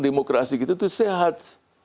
demokrasi kita itu sehat